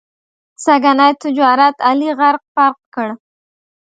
سږني تجارت علي غرق پرق کړ.